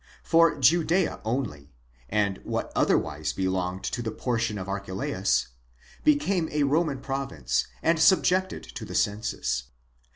For Judea only, and what otherwise belonged to the portion of Archelaus, became a Roman province and subjected to the census.